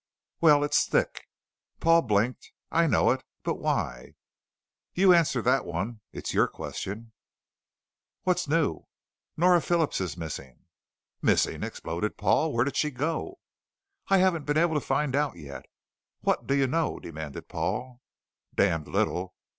"Well, it's thick." Paul blinked. "I know it. But why?" "You answer that one, it's your question." "What's new?" "Nora Phillips is missing." "Missing?" exploded Paul. "Where did she go?" "I haven't been able to find out yet." "What do you know?" demanded Paul. "Damned little.